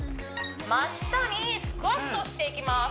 真下にスクワットしていきます